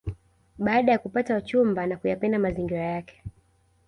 Baada ya kupata wachumba na kuyapenda mazingira yake